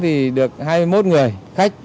thì được hai mươi một người khách